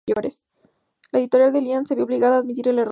La editora de Dylan se vio obligada a admitir el error.